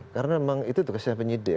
karena memang itu tugasnya penyidik